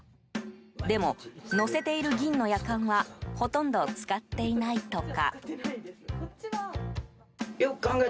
でも、乗せている銀のやかんはほとんど使っていないとか。